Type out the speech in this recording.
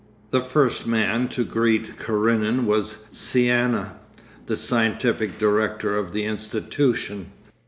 The first man to greet Karenin was Ciana, the scientific director of the institution.